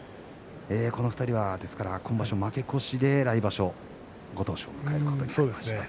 この２人は今場所負け越しで来場所ご当所を迎えることになりました。